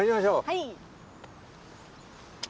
はい。